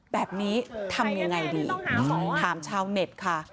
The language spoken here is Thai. แบบนี้ทำยังไงดีถามชาวเน็ตค่ะ